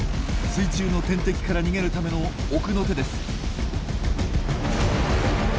水中の天敵から逃げるための奥の手です。